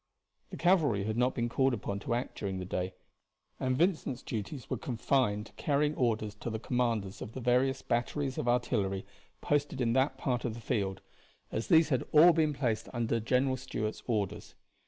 The cavalry had not been called upon to act during the day, and Vincent's duties were confined to carrying orders to the commanders of the various batteries of artillery posted in that part of the field, as these had all been placed under General Stuart's orders.